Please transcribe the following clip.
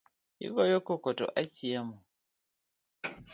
Igoyo koko to achiemo.